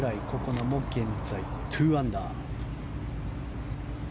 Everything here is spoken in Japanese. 那も現在２アンダー。